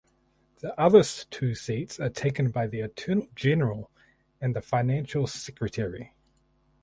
The other two seats are taken by the Attorney General and the Financial Secretary.